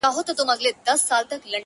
خو د کلي اصلي درد څوک نه سي ليدلای,